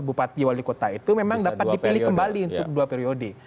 bupati wali kota itu memang dapat dipilih kembali untuk dua periode